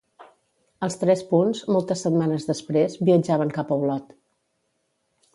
Els tres punts, moltes setmanes després, viatjaven cap a Olot.